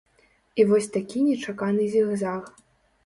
І вось такі нечаканы зігзаг.